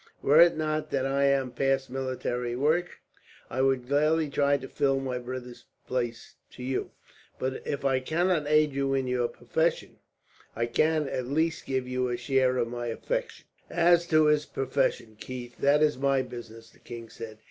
Were it not that I am past military work, I would gladly try to fill my brother's place to you; but if I cannot aid you in your profession, I can at least give you a share of my affection." "As to his profession, Keith, that is my business," the king said.